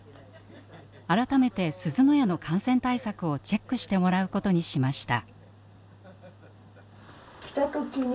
改めてすずの家の感染対策をチェックしてもらうことにしました。